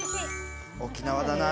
沖縄だなぁ。